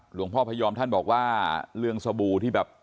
พยอมท่านบอกว่าเรื่องสบู่ที่แบบ